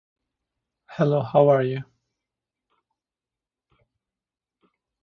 This area became known as Chedle, a corruption of Chad' Hill.